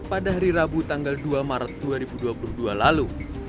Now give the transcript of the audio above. pada hari rabu tanggal dua maret dua ribu dua puluh dua lalu